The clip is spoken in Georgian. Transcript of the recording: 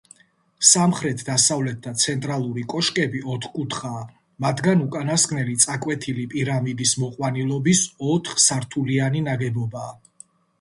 სამხ-დას და ცენტრალური კოშკები ოთხკუთხაა, მათგან უკანასკნელი წაკვეთილი პირამიდის მოყვანილობის ოთხ სართულიანი ნაგებობაა.